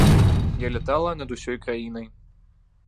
Я лятала над усёй краінай.